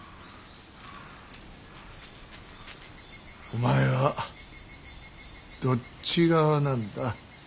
お前はどっち側なんだ。